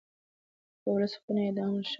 د ولس حقونه يې د امن شرط بلل.